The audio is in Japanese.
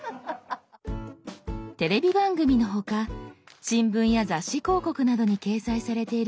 テレビ番組の他新聞や雑誌広告などに掲載されている